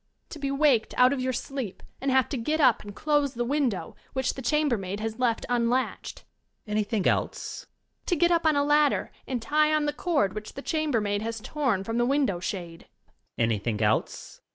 To be waked out of your sleep and have to get up and dose the window — ^which the chambermaid has left unlatched. Student. An3rthing else? / YoxTNG Lady. To get up on~a ladder and tie on the cord which the chambermaid has torn from the window shade. Student. Anything else?